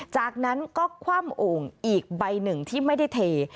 จากนั้นก็คว่ำโอ่งอีกใบหนึ่งที่ไม่ได้เท